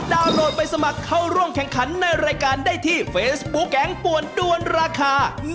โหลดไปสมัครเข้าร่วมแข่งขันในรายการได้ที่เฟซบุ๊คแก๊งป่วนด้วนราคา